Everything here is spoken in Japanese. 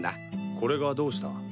これがどうした？